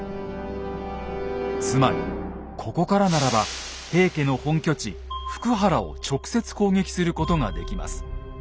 つまりここからならば平家の本拠地・福原を直接攻撃することができます。